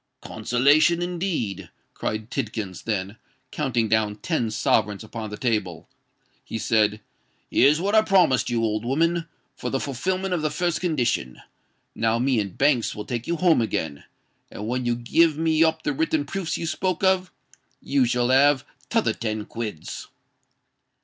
"Consolation, indeed!" cried Tidkins: then, counting down ten sovereigns upon the table, he said, "Here's what I promised you, old woman, for the fulfilment of the first condition. Now me and Banks will take you home again; and when you give me up the written proofs you spoke of, you shall have t'other ten quids."